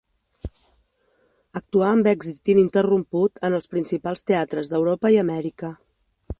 Actuà amb èxit ininterromput en els principals teatres d'Europa i Amèrica.